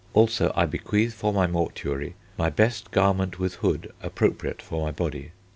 Also I bequeath for my mortuary my best garment with hood appropriate for my body.